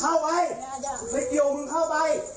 เข้าไว้เมดิโอมึงเข้าไป